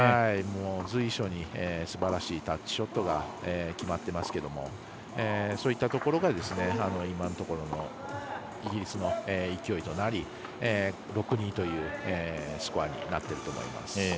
随所にすばらしいタッチショットが決まっていますけどそういったところが今のところのイギリスの勢いとなり６−２というスコアになっていると思います。